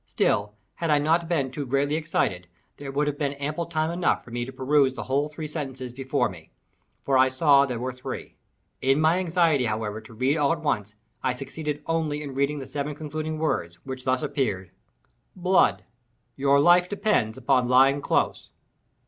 Still, had I not been too greatly excited, there would have been ample time enough for me to peruse the whole three sentences before me—for I saw there were three. In my anxiety, however, to read all at once, I succeeded only in reading the seven concluding words, which thus appeared—"blood—your life depends upon lying close."